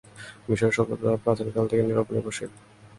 মিশরের সভ্যতা প্রাচীন কাল থেকেই নীলের উপর নির্ভরশীল।